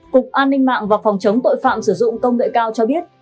cục an ninh mạng và phòng chống tội phạm sử dụng công nghệ cao cho biết